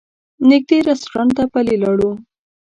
نږدې رسټورانټ ته پلي لاړو.